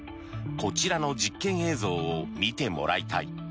こちらの実験映像を見てもらいたい。